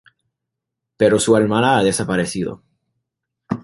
Pero su hermana ha desaparecido.